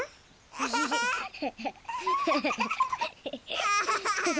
アハハー！